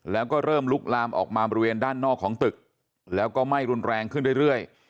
แล้วก็เริ่มลุกลามออกมาบริเวณด้านนอกของตึกแล้วก็ไหม้รุนแรงขึ้นเรื่อย